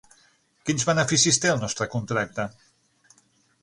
Quins beneficis té el nostre contracte?